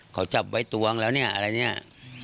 เขาจับไว้ตวงแล้วเนี่ยอะไรเนี่ย